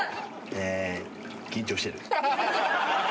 え緊張してる。